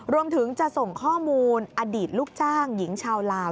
รวมถึงจะส่งข้อมูลอดีตลูกจ้างหญิงชาวลาว